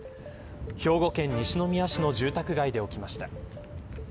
兵庫県西宮市の住宅街で起きました。